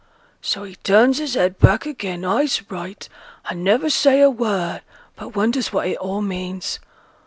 So he turns his head back again, eyes right, and never say a word, but wonders what it all means.